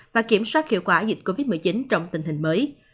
và kiểm soát hiệu quả dịch covid một mươi chín trong tình hình mới